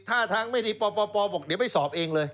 ท่าทางไม่ดีปปบอกเดี๋ยวไปสอบเองเลย